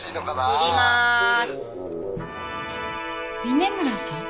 峰村さん？